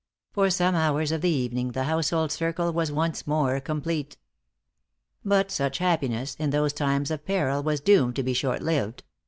For some hours of the evening the household circle was once more complete. But such happiness, in those times of peril, was doomed to be short lived.